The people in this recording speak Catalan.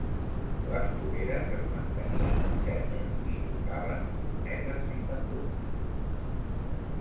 Les fogueres es mantenien enceses, i tocaven cornetes i tambors.